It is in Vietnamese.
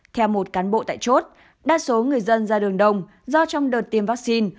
theo một cán bộ tại chốt đa số người dân ra đường đông do trong đợt tiêm vaccine